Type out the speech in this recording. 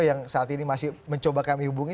yang saat ini masih mencoba kami hubungi